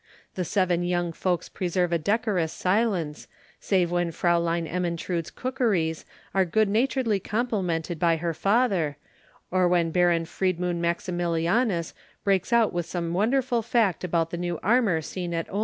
The seven young folks preserve a decorous silence, save when Fraulein Ermentrude's cookeries are good naturedly complimented by her father, or when Baron Friedmund Maximilianus breaks out with some wonderful fact about new armour seen at Ulm.